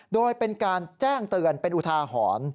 โดยเป็นการแจ้งเตือนเป็นอุทาหรณ์